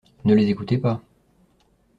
Ne les écoutez pas.